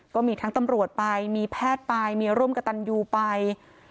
ก็มีทั้งตำรวจไปมีแพทย์ไปมีร่วมกับตันยูไป